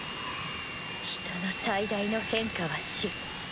人の最大の変化は死。